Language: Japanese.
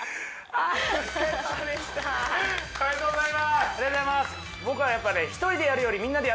ありがとうございます